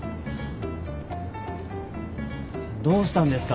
どうしたんですか？